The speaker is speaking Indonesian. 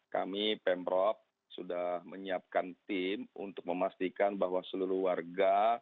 kami pemprov sudah menyiapkan tim untuk memastikan bahwa seluruh warga